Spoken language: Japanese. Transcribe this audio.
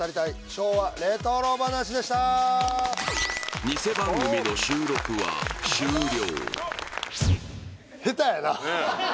昭和レトロ話」でしたニセ番組の収録は終了